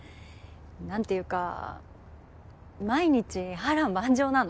何ていうか毎日波瀾万丈なの。